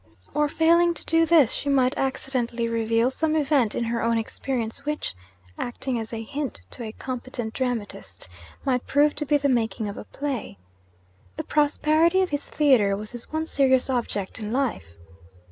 Or, failing to do this, she might accidentally reveal some event in her own experience which, acting as a hint to a competent dramatist, might prove to be the making of a play. The prosperity of his theatre was his one serious object in life.